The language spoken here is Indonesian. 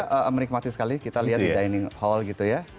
kita menikmati sekali kita lihat di dining hall gitu ya